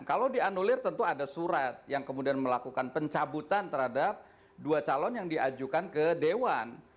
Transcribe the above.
kalau dianulir tentu ada surat yang kemudian melakukan pencabutan terhadap dua calon yang diajukan ke dewan